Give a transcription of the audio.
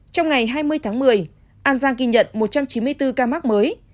trong ngày hai mươi tháng một mươi an giang ghi nhận một trăm chín mươi bốn ca mắc mới